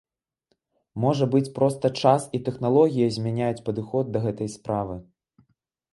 Можа быць проста час і тэхналогія змяняюць падыход да гэтай справы.